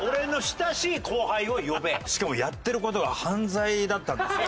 しかもやってる事が犯罪だったんですよ。